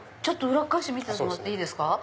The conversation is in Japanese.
裏返して見せてもらっていいですか。